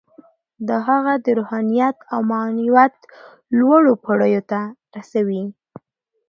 دا هغه د روحانیت او معنویت لوړو پوړیو ته رسوي